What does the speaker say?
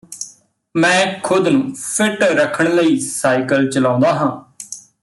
ਮੈਂ ਖੁਦ ਨੂੰ ਫਿੱਟ ਰੱਖਣ ਲਈ ਸਾਈਕਲ ਚਲਾਉਂਦਾ ਹਾਂ